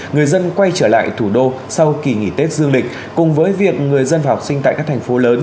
người dân quay trở lại thủ đô sau kỳ nghỉ tết dương lịch cùng với việc người dân và học sinh tại các thành phố lớn